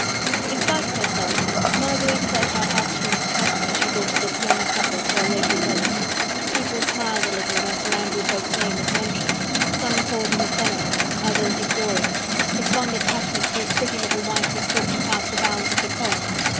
In spite of herself Marguerite felt her heartstrings tighten as she thought of this young couple so lately wedded. People smiled a little when Sir Andrew Ffoulkes' name was mentioned, some called him effeminate, others uxorious, his fond attachment for his pretty little wife was thought to pass the bounds of decorum.